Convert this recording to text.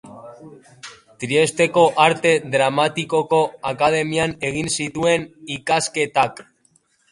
Triesteko Arte Dramatikoko Akademian egin zituen ikasketak.